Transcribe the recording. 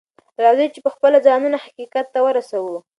راځئ چې پخپله ځانونه حقيقت ته ورسوو.